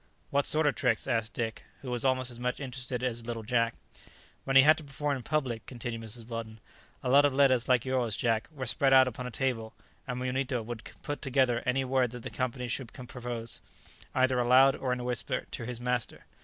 "What sort of tricks?" asked Dick, who was almost as much interested as little Jack. "When he had to perform in public," continued Mrs. Weldon, "a lot of letters like yours, Jack, were spread out upon a table, and Munito would put together any word that the company should propose, either aloud or in a whisper, to his master.